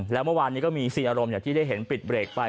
แล้วเมื่อวานนี้ก็มี๔อารมณ์อย่างที่ได้เห็นปิดเบรกไป